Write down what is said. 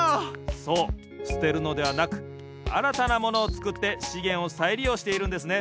そうすてるのではなくあらたなものをつくってしげんをさいりようしているんですね。